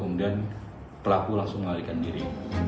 kemudian pelaku langsung melarikan diri